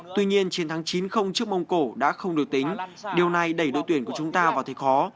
tuy nhiên chiến thắng chín trước mông cổ đã không được tính điều này đẩy đội tuyển của chúng ta vào thế khó